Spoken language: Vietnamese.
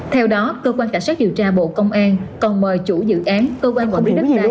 theo đó cơ quan cảnh sát điều tra bộ công an còn mời chủ dự án cơ quan quản lý đất đai